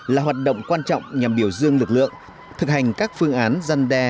là hoạt động quan trọng nhằm biểu dương lực lượng thực hành các phương án dân đe